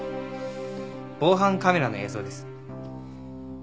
防犯カメラの映像です。